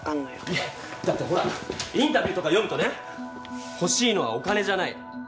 いやだってほらインタビューとか読むとね欲しいのはお金じゃない愛だ。